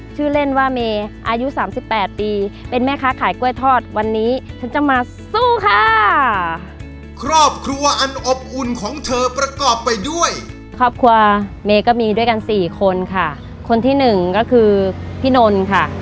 ชีวิตตัวเมก็มีด้วยกันสี่คนค่ะคนที่หนึ่งก็คือพี่นนท์ค่ะ